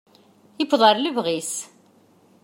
Yuweḍ ɣer lebɣi-s.